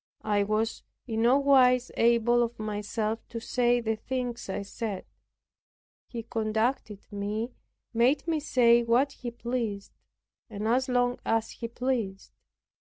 I was in no wise able of myself to say the things I said. He who conducted me made me say what He pleased, and as long as He pleased.